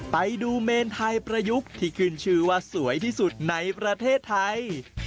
ไปดูเมนไทยประยุกต์ที่ขึ้นชื่อว่าสวยที่สุดในประเทศไทย